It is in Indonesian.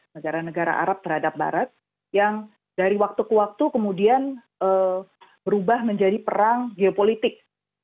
negara negara arab terhadap barat yang dari waktu ke waktu kemudian berubah menjadi perang geopolitik